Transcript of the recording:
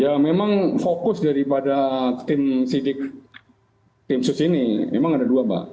ya memang fokus daripada tim sidik tim sus ini memang ada dua mbak